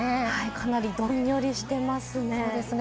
かなりどんよりしてますね。